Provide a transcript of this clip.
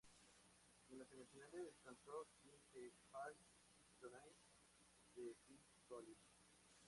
En las semifinales, cantó "In the Air Tonight" de Phil Collins.